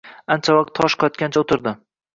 Ancha vaqt tosh qotgancha oʻtirdi